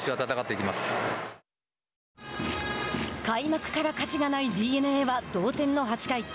開幕から勝ちがないＤｅＮＡは同点の８回。